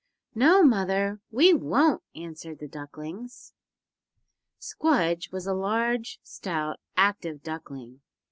"No, mother, we won't," answered the ducklings. Squdge was a large, stout, active duckling.